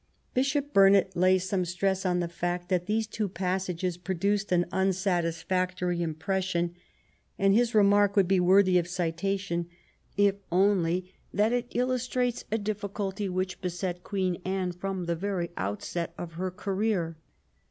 '' Bishop Burnet lays some stress on the fact that these two pas sages produced an unsatisfactory impression, and his remark would be worthy of citation if only that it illustrates adifficulty which beset Queen Anne from the very outset of her career.